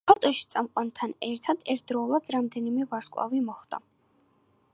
ფოტოში წამყვანთან ერთად ერთდროულად რამდენიმე ვარსკვლავი მოხვდა.